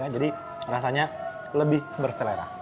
jadi rasanya lebih berselera